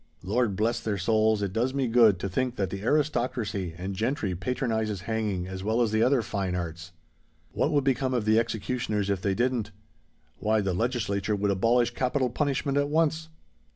Lord bless their souls, it does me good to think that the aristocracy and gentry patronises hanging as well as the other fine arts. What would become of the executioners if they didn't? Why—the legislature would abolish capital punishment at once."